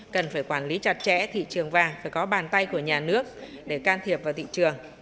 cần phải quản lý chặt chẽ thị trường vàng phải có bàn tay của nhà nước để can thiệp vào thị trường